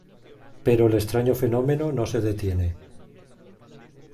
Pero el extraño fenómeno no se detiene.